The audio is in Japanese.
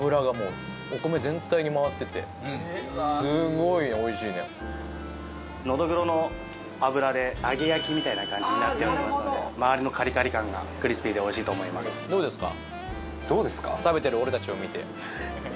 超おいしいこれノドグロの脂で揚げ焼きみたいな感じになっておりますので周りのカリカリ感がクリスピーでおいしいと思いますどうですか？